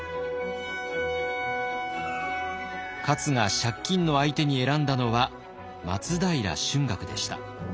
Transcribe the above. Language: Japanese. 勝が借金の相手に選んだのは松平春嶽でした。